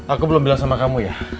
aku belum bilang sama kamu ya